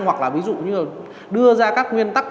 hoặc là đưa ra các nguyên tắc